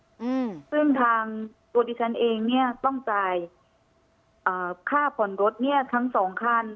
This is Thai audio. อืมซึ่งทางตัวดิฉันเองเนี้ยต้องจ่ายอ่าค่าผ่อนรถเนี้ยทั้งสองคัน